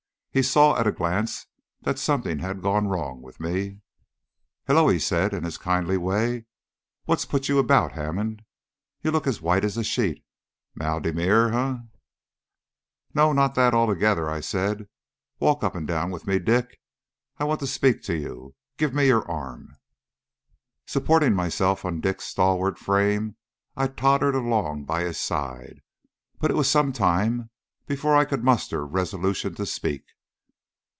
He saw at a glance that something had gone wrong with me. "Hullo!" he said, in his kindly way, "what's put you about, Hammond? You look as white as a sheet. Mal de mer, eh?" "No, not that altogether," said I. "Walk up and down with me, Dick; I want to speak to you. Give me your arm." Supporting myself on Dick's stalwart frame, I tottered along by his side; but it was some time before I could muster resolution to speak.